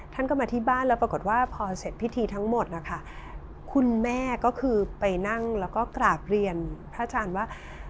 ท่านก็มาที่บ้านแล้วปรากฏว่าพอเสร็จพิธีทั้งหมดนะคะคุณแม่ก็คือไปนั่งแล้วก็กราบเรียนพระอาจารย์ว่า